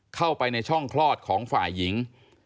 เข้าไปในช่องคลอดของฝ่ายหญิง